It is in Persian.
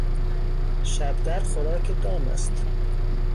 شبدر خوراک دام است.